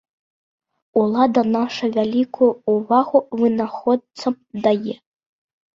Улада наша вялікую ўвагу вынаходцам дае.